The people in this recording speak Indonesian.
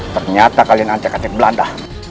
ternyata kalian ancak ancak belanda